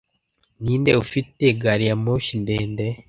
Ninde ufite Gariyamoshi ndende